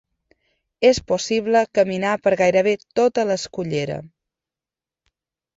És possible caminar per gairebé tota l'escullera.